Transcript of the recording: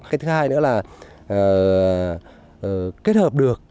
cái thứ hai nữa là kết hợp được